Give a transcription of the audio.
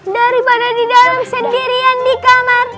daripada di dalam sendirian di kamar